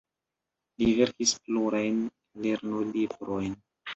Li verkis plurajn lernolibrojn.